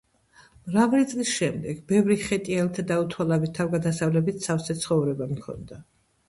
მრავალი წლის შემდეგ, ბევრი ხეტიალითა და უთვალავი თავგადასავლებით სავსე ცხოვრება მქონდა.